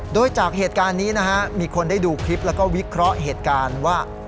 โดยจากเหตุการณ์นี้นะฮะมีคนได้ดูคลิปแล้วก็วิเคราะห์เหตุการณ์ว่า